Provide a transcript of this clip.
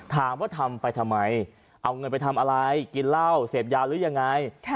ถามว่าทำไปทำไมเอาเงินไปทำอะไรกินเหล้าเสพยาหรือยังไง